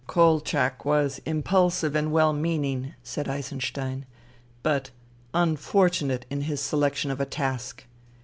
" Kolchak was impulsive and well meaning," said Eisenstein, " but unfortunate in his selection of a task.